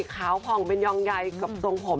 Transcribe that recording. ขาวผ่องเป็นยองใยกับทรงผม